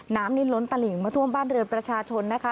น้ำนี่ล้นตลิ่งมาท่วมบ้านเรือนประชาชนนะคะ